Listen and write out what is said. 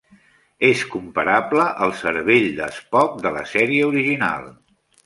És comparable al cervell de Spock de la sèrie original.